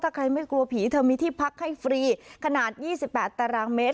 ถ้าใครไม่กลัวผีเธอมีที่พักให้ฟรีขนาด๒๘ตารางเมตร